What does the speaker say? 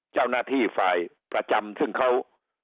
เจ้าหน้าที่ฝ่ายประจำซึ่งเขา